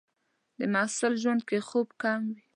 د محصل ژوند کې خوب کم وي.